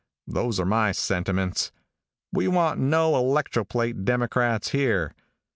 Those are my sentiments. We want no electroplate Democrats here.